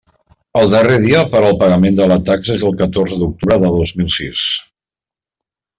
El darrer dia per al pagament de la taxa és el catorze d'octubre de dos mil sis.